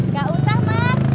gak usah mas